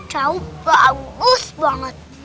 tahu bagus banget